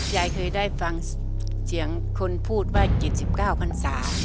ยายเคยได้ฟังเสียงคนพูดว่า๗๙พันศา